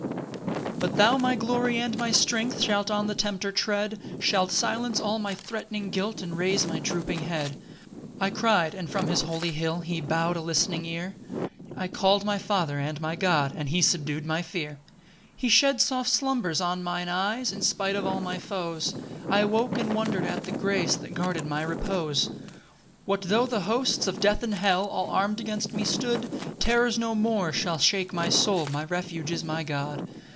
3 But thou, my glory and my strength, Shalt on the tempter tread, Shalt silence all my threatening guilt, And raise my drooping head. 4 [I cry'd, and from his holy hill He bow'd a listening ear, I call'd my Father, and my God, And he subdu'd my fear. 5 He shed soft slumbers on mine eyes, In spite of all my foes; I woke, and wonder'd at the grace That guarded my repose.] 6 What though the hosts of death and hell All arm'd against me stood, Terrors no more shall shake my soul, My refuge is my God.